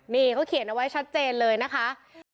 นี่เขาเขียนเอาไว้ชัดเจนเลยนะคะ